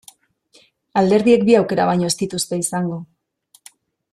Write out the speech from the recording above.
Alderdiek bi aukera baino ez dituzte izango.